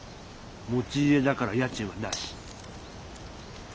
持ち家だから家賃はなし。